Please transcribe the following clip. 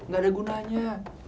gak ada gunanya